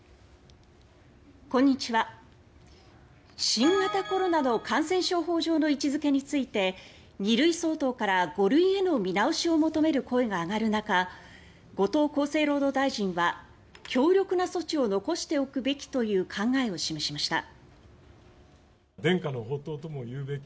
新型コロナの感染症法上の位置づけについて２類相当から５類への見直しを求める声が上がる中後藤厚生労働大臣は強力な措置を残しておくべきという考えを示しました。